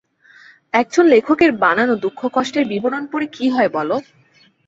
একজন লেখকের বানানো দুঃখ-কষ্টের বিবরণ পড়ে কী হয় বল?